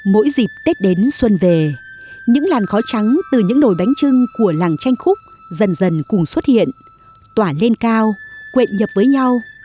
mỗi dịp tết đến xuân về những làn khói trắng từ những nồi bánh trưng của làng tranh khúc dần dần cùng xuất hiện tỏa lên cao quẹn nhập với nhau